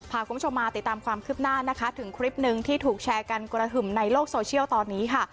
พาคุณผู้ชมมาติดตามความคืบหน้านะคะถึงคลิปหนึ่งที่ถูกแชร์กันกระหึ่มในโลกโซเชียลตอนนี้ค่ะ